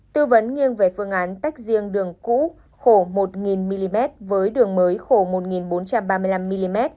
tư vấn nghiêng về phương án tách riêng đường cũ khổ một mm với đường mới khổ một bốn trăm ba mươi năm mm